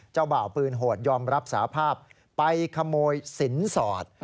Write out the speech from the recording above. บ่าวปืนโหดยอมรับสาภาพไปขโมยสินสอด